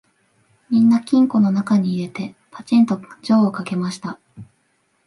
みんな金庫のなかに入れて、ぱちんと錠をかけました